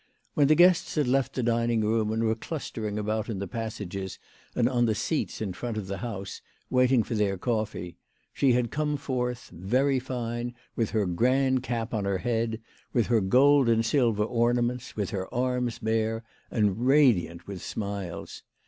When the guests had left the dining room and were clustering about in the passages and on the seats in front of the house, waiting for their coffee, she had come forth, very fine, with her grand cap on her head, with her gold and silver ornaments, with her arms bare, and radiant with smiles.